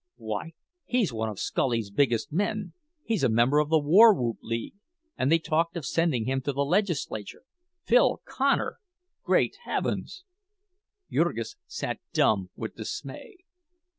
"Why, he's one of Scully's biggest men—he's a member of the War Whoop League, and they talked of sending him to the legislature! Phil Connor! Great heavens!" Jurgis sat dumb with dismay.